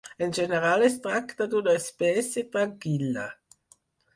En general, es tracta d'una espècie tranquil·la.